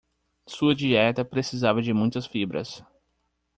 Sua dieta precisava de muitas fibras